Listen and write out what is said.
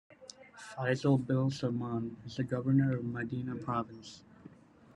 Faisal bin Salman is the governor of Madinah province.